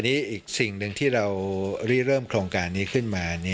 อีกสิ่งหนึ่งที่เรารีเริ่มโครงการนี้ขึ้นมา